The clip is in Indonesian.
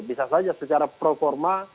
bisa saja secara pro forma